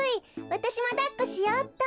わたしもだっこしようっと。